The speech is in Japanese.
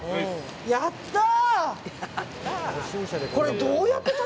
やったー！